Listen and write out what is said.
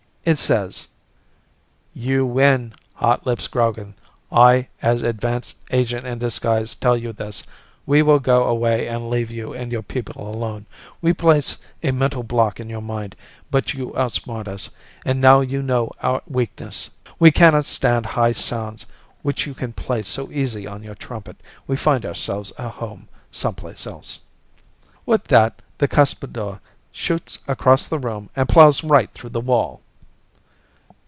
It says: "_You win, Hotlips Grogan. I, as advance agent in disguise, tell you this. We will go away and leave you and your people alone. We place a mental block in your mind, but you outsmart us, and now you know our weakness. We cannot stand high sounds which you can play so easy on your trumpet. We find ourselves a home someplace else._" With that, the cuspidor shoots across the room and plows right through the wall.